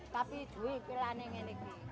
tapi wih pilihan yang lain lagi